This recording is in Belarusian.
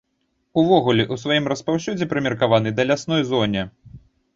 Увогуле, у сваім распаўсюдзе прымеркаваны да лясной зоне.